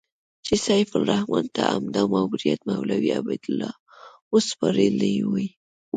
چې سیف الرحمن ته همدا ماموریت مولوي عبیدالله ورسپارلی و.